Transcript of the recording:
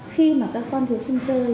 khi mà các con thú sinh chơi